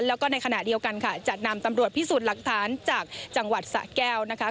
แล้วก็ในขณะเดียวกันค่ะจะนำตำรวจพิสูจน์หลักฐานจากจังหวัดสะแก้วนะคะ